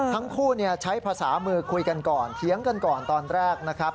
ทั้งคู่ใช้ภาษามือคุยกันก่อนเถียงกันก่อนตอนแรกนะครับ